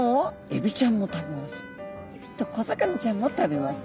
エビと小魚ちゃんも食べます。